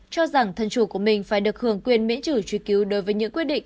cho rằng thân chủ của mình phải được hưởng quyền miễn trừ truy cứu đối với những quyết định